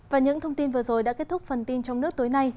và những thông tin vừa rồi đã kết thúc phần tin trong nước tối nay